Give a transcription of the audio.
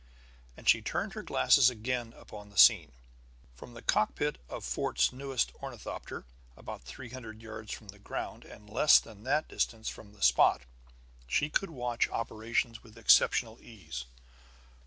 And she turned her glasses again upon the scene. From the cockpit of Fort's newest ornithopter, about three hundred yards from the ground and less than that distance from the spot, she could watch operations with exceptional ease.